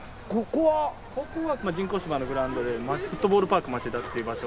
ここは人工芝のグラウンドでフットボールパーク町田っていう場所。